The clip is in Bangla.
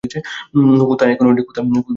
কোথায় এখন উনি?